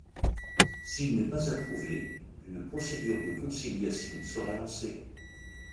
S'il n'est pas approuvé, une procédure de conciliation sera lancée.